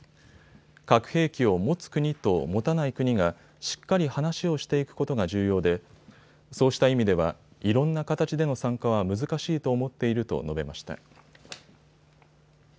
核兵器を持つ国と持たない国がしっかり話をしていくことが重要でそうした意味ではいろんな形での参加は難しいと思っていると述べました。